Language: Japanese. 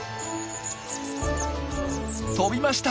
飛びました！